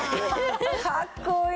かっこいい。